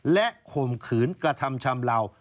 และข่มขืนกระทำชำลาว